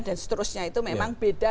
dan seterusnya itu memang beda